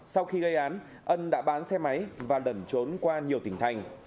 sau khi gây án ân đã bán xe máy và lẩn trốn qua nhiều tỉnh thành